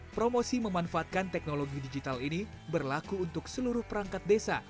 promosi memanfaatkan teknologi digital ini berlaku untuk seluruh perangkat desa